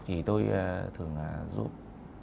thì tôi thường giúp